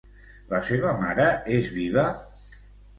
La seva mare és viva?